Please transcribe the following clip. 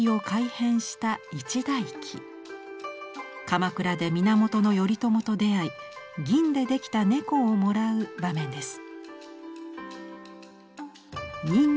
鎌倉で源頼朝と出会い銀で出来た猫をもらう場面です。